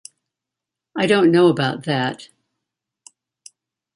I don't know about that.